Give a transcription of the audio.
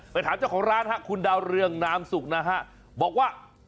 ถามเจ้าของร้านฮะคุณดาวเรืองนามสุกนะฮะบอกว่า